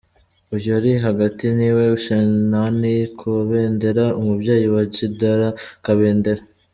Uyu uri hagati niwe Shinani Kabendera, umubyeyi wa Tidjara Kabendera.